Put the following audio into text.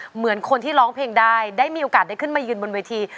เหมือนคนที่ร้องเพลงได้ได้มีโอกาสได้ขึ้นมายืนบนเวที